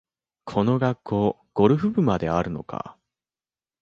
この学校、ゴルフ部まであるのかあ